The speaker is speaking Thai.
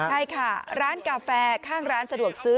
ใช่ค่ะร้านกาแฟข้างร้านสะดวกซื้อ